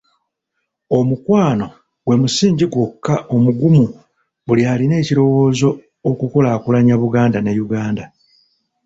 Omukwano gwe musingi gwokka omugumu buli alina ekirowoozo okukulaakulanya Buganda ne Uganda.